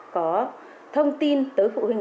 có thông tin tới phụ huynh